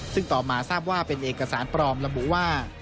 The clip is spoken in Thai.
ซึ่งต่อมาทราบว่าเป็นเอกสารปลอมระบุว่า